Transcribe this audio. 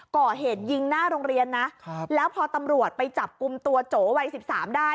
ก่อเหตุยิงหน้าโรงเรียนนะครับแล้วพอตำรวจไปจับกลุ่มตัวโจวัยสิบสามได้